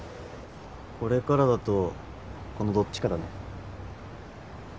これからだとこのどっちかだね。